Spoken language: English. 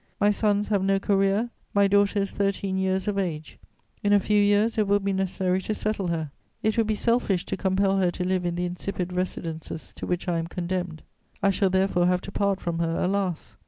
My sons have no career, my daughter is thirteen years of age; in a few years it will be necessary to settle her: it would be selfish to compel her to live in the insipid residences to which I am condemned. I shall therefore have to part from her, alas!